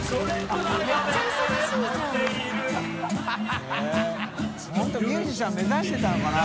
この人ミュージシャン目指してたのかな？）